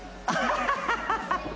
ハハハハ！